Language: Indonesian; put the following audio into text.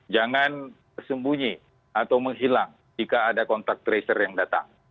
jangan tersembunyi atau menghilang jika ada kontak tracer yang datang